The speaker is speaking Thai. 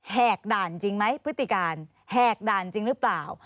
แหกด่านจริงไหมพฤติการแหกด่านจริงหรือเปล่า